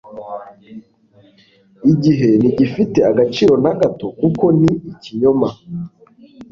igihe ntigifite agaciro na gato, kuko ni ikinyoma